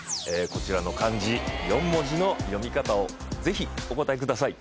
こちらの漢字４文字の読み方をぜひお答えください